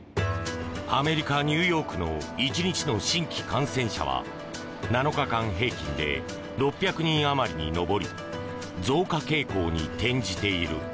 アメリカ・ニューヨークの１日の新規感染者は７日間平均で６００人あまりに上り増加傾向に転じている。